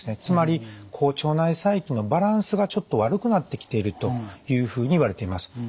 つまり腸内細菌のバランスがちょっと悪くなってきているというふうにいわれています。